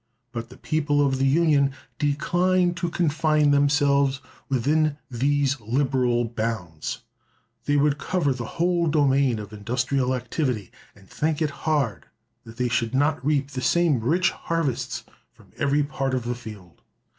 But the people of the Union decline to confine themselves within these liberal bounds. They would cover the whole domain of industrial activity, and think it hard that they should not reap the same rich harvests from every part of the field.